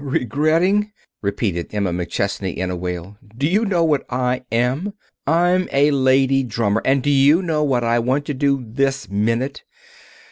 "Regretting?" repeated Emma McChesney, in a wail. "Do you know what I am? I'm a lady drummer. And do you know what I want to do this minute?